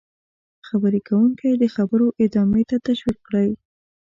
-خبرې کوونکی د خبرو ادامې ته تشویق کړئ: